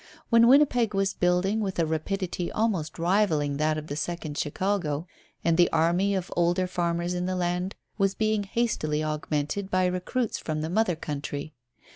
When Winnipeg was building with a rapidity almost rivalling that of the second Chicago, and the army of older farmers in the land was being hastily augmented by recruits from the mother country.